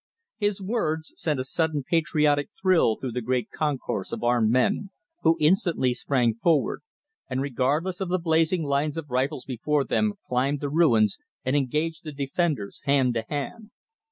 His words sent a sudden patriotic thrill through the great concourse of armed men, who instantly sprang forward, and regardless of the blazing lines of rifles before them climbed the ruins and engaged the defenders hand to hand.